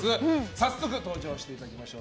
早速登場していただきましょう。